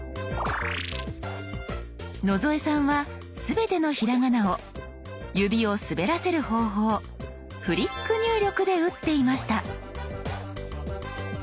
野添さんは全てのひらがなを指を滑らせる方法フリック入力で打っていました。